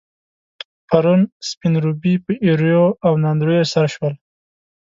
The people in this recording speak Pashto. پرون، سپين روبي په ايريو او ناندريو سر شول.